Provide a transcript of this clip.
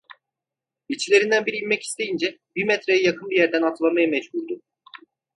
İçlerinden biri inmek isteyince, bir metreye yakın bir yerden atlamaya mecburdu.